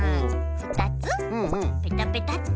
２つペタペタッと。